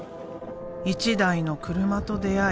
１台の車と出会い